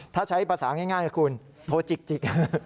ถ้าใช้ภาษาง่ายกับคุณโทรจิก